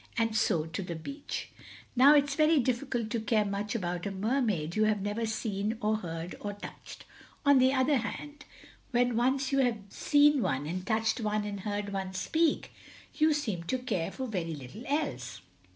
And so to the beach. Now, it is very difficult to care much about a Mermaid you have never seen or heard or touched. On the other hand, when once you have seen one and touched one and heard one speak, you seem to care for very little else.